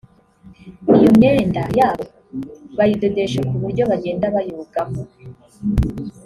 Iyo myenda yabo bayidodesha ku buryo bagenda bayogamo